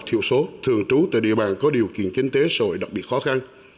họ thiệu số thường trú tại địa bàn có điều kiện kinh tế sồi đặc biệt khó khăn